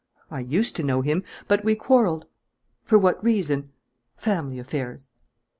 "I used to know him, but we quarrelled." "For what reason?" "Family affairs."